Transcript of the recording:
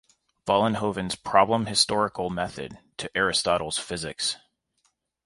Vollenhoven's problem-historical method to Aristotle's "Physics".